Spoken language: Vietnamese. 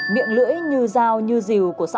miệng lưỡi như dao như rìu của xã hội